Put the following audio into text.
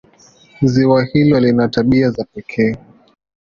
Ziwa hilo lina tabia za pekee.